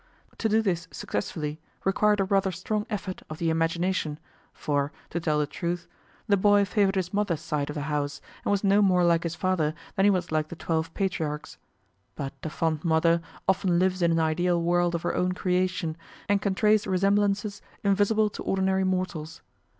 To do this successfully required a rather strong effort of the imagination, for, to tell the truth, the boy favored his mother's side of the house, and was no more like his father than he was like the twelve patriarchs. But a fond mother often lives in an ideal world of her own creation, and can trace resemblances invisible to ordinary mortals.